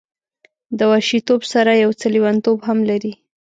د وحشي توب سره یو څه لیونتوب هم لري.